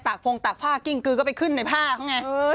พงตากผ้ากิ้งกือก็ไปขึ้นในผ้าเขาไง